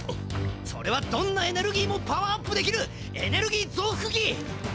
それはどんなエネルギーもパワーアップできるエネルギーぞうふくき！